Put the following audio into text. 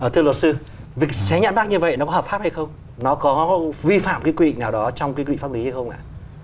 thưa luật sư việc xé nhãn mát như vậy nó có hợp pháp hay không nó có vi phạm cái quy định nào đó trong cái quy định pháp lý hay không ạ